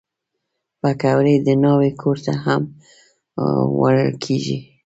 پکورې د ناوې کور ته هم وړل کېږي